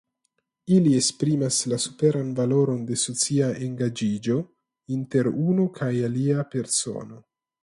Ili esprimas la superan valoron de socia engaĝiĝo inter unu kaj alia persono.